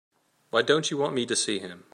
Why don't you want me to see him?